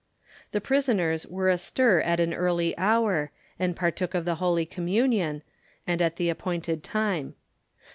The prisoners were astir at an early hour, and partook of the holy communion, and at the appointed time.